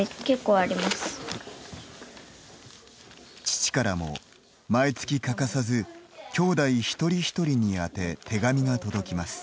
父からも、毎月欠かさずきょうだい一人一人に宛て手紙が届きます。